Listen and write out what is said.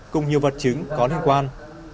cùng nhiều vật chứng có liên quan